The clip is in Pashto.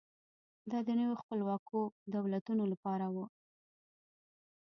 دا د نویو خپلواکو دولتونو لپاره و.